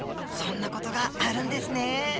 そんな事があるんですね！